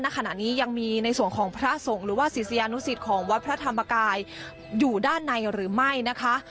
ขณะนี้ยังมีในส่วนของพระสงฆ์หรือว่าศิษยานุสิตของวัดพระธรรมกายอยู่ด้านในหรือไม่นะคะ